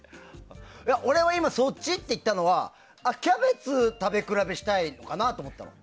俺も今そっち？って言ったのはキャベツ食べ比べしたいのかなって思ったの。